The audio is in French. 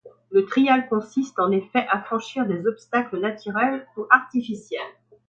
Le trial consiste, en effet, à franchir des obstacles naturels ou artificiels.